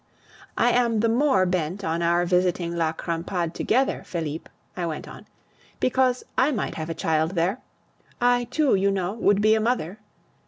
"I am the more bent on our visiting La Crampade together, Felipe," I went on, "because I might have a child there. I too, you know, would be a mother!...